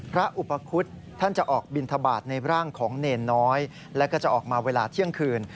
อุปคุฎท่านจะออกบินทบาทในร่างของเนรน้อยแล้วก็จะออกมาเวลาเที่ยงคืน